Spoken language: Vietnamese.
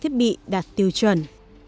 thiết bị đạt tiêu chuẩn